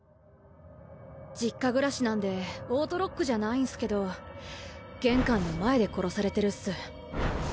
実家暮らしなんでオートロックじゃないんすけど玄関の前で殺されてるっす。